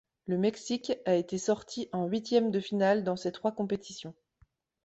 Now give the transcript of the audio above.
Le Mexique a été sorti en huitièmes de finale dans ces trois compétitions.